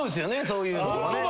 そういうのをね。